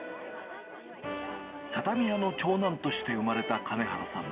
畳屋の長男として生まれた金原さん。